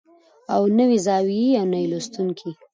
او له نوې زاويې نه يې لوستونکي